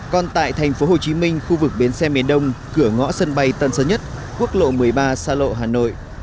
còn tại thành phố hồ chí minh khu vực biến xe miền đông cửa ngõ sân bay tân sân nhất quốc lộ một mươi ba xa lộ hà nội